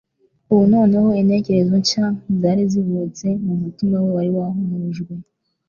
ubu noneho intekerezo nshya zari zivutse mu mutima we wari wahumurijwe.